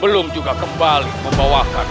belum juga kembali membawakan